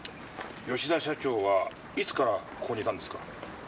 吉田社長はいつからここにいたんですか？